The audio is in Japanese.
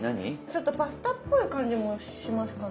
ちょっとパスタっぽい感じもしますかね。